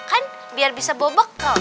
kan biar bisa bawa bekal